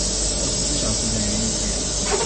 二十四小時等於一天